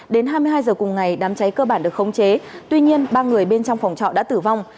đến hai mươi hai h cùng ngày đám cháy cơ bản được khống chế tuy nhiên ba người bên trong phòng trọ đã tử vong